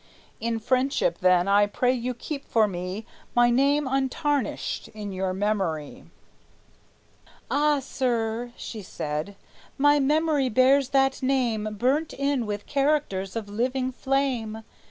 In friendship, then, I pray you keep for me My name untarnished in your memory." "Ah, sir," she said, "my memory bears that name Burnt in with characters of living flame.